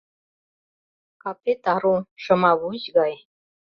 Капет ару — шымавуч гай